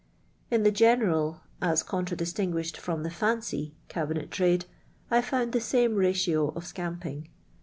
In the general, as contra distinguished from the fancy, cabinet trade I found the same ratio of '* scamping."